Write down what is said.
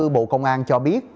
bộ công an cho biết